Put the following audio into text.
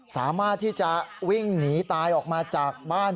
สามารถที่จะวิ่งหนีตายออกมาจากบ้าน